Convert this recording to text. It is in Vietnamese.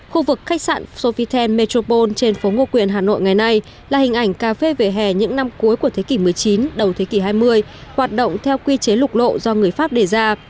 khu vực khách sạn sofitel metropole trên phố ngô quyền hà nội ngày nay là hình ảnh cà phê về hè những năm cuối của thế kỷ một mươi chín đầu thế kỷ hai mươi hoạt động theo quy chế lục lộ do người pháp đề ra